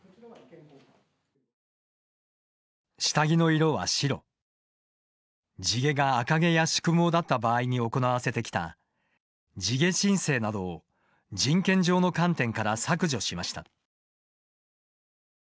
下着の色は白、地毛が赤毛や縮毛だった場合に行わせてきた地毛申請などを人権上の観点から削除しました。